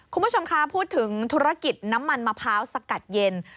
คุณผู้ชมคะพูดถึงธุรกิจน้ำมันมะพร้าวสกัดเย็น